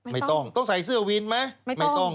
ไม่ต้องต้องใส่เสื้อวินไหมไม่ต้อง